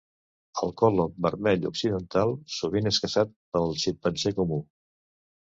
El còlob vermell occidental sovint és caçat pel ximpanzé comú.